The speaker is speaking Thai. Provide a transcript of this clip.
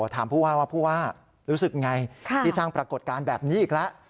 ผู้ว่าว่าผู้ว่ารู้สึกไงที่สร้างปรากฏการณ์แบบนี้อีกแล้ว